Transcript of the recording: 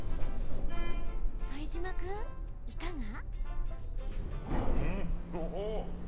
副島君、いかが？